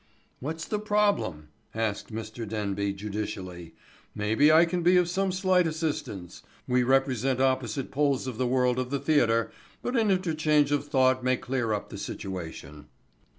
"What's the problem?" asked Mr. Denby judicially. "Maybe I can be of some slight assistance. We represent opposite poles of the world of the theatre, but an interchange of thought may clear up the situation."